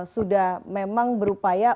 sudah memang berupaya